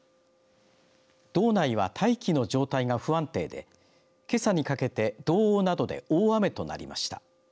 道内は大気の状態が不安定でけさにかけて道央などで大雨となりました。